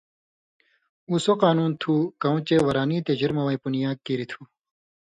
اُو سو قانُون تُھو کؤں چے ورانی تے جُرمہ وَیں پُنیاک کیریۡ تُھو